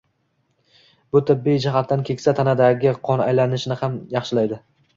Bu tibbiy jihatdan keksa tanadagi qon aylanishini ham yaxshilaydi.